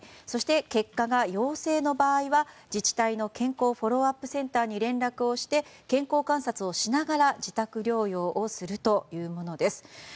そして、結果が陽性の場合は自治体の健康フォローアップセンターに連絡をして健康観察をしながら自宅療養をするというものです。